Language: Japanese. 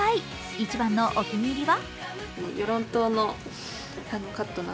一番のお気に入りは？